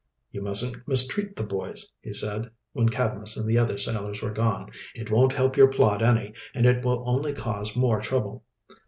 "You mustn't mistreat the boys," he said, when Cadmus and the other sailors were gone. "It won't help your plot any, and it will only cause more trouble."